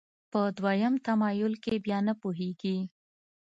په دویم تمایل کې بیا نه پوهېږي.